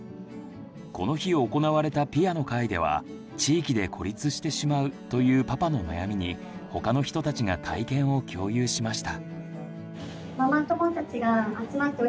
この日行われたピアの会では「地域で孤立してしまう」というパパの悩みに他の人たちが体験を共有しました。